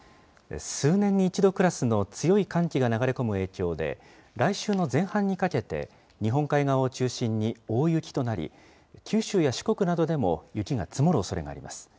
数年に一度クラスの強い寒気が流れ込む影響で、来週の前半にかけて、日本海側を中心に大雪となり、九州や四国などでも雪が積もるおそれがあります。